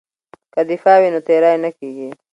که دفاع وي نو تیری نه کیږي.